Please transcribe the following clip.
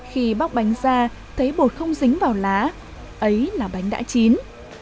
khi bóc bánh ra thấy bột không dính vào lá ấy là bánh đã chín